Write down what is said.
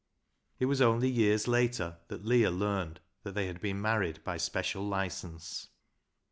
It was onl\ years later that Leah learned that the\' had bLcn married by special licence.